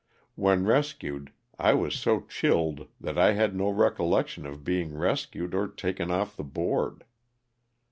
When rescued I was so chilled that I had no recol lection of being rescued or taken off of the board.